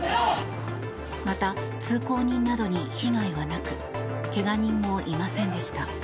また、通行人などに被害はなく怪我人もいませんでした。